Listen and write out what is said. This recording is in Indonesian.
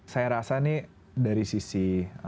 saya rasa ini dari sisi